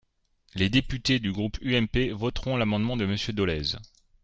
Les députés du groupe UMP voteront l’amendement de Monsieur Dolez.